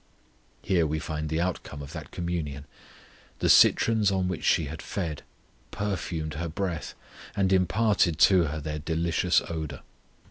Here we find the outcome of that communion. The citrons on which she had fed perfumed her breath, and imparted to her their delicious odour.